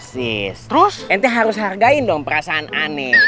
saya harus hargai perasaan aneh